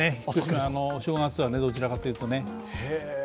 お正月はどちらかというとね。